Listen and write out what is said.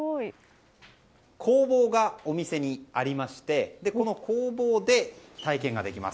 工房がお店にありましてこの工房で体験ができます。